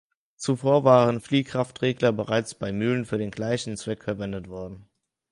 Zuvor waren Fliehkraftregler bereits bei Mühlen für den gleichen Zweck verwendet worden.